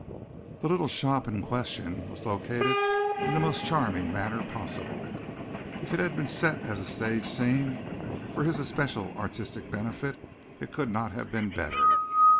The "little shop" in question was located in the most charming manner possible. If it had been set as a stage scene for his especial artistic benefit it could not have been better.